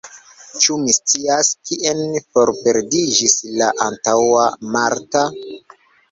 Ĉu mi scias, kien forperdiĝis la antaŭa Marta?